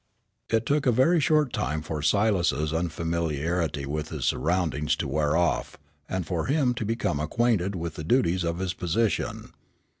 It took a very short time for Silas's unfamiliarity with his surroundings to wear off, and for him to become acquainted with the duties of his position.